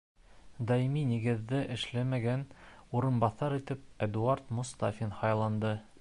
Даими нигеҙҙә эшләмәгән урынбаҫар итеп Эдуард Мостафин һайланды.